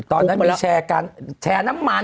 ตอนนั้นมีแชร์การแชร์น้ำมัน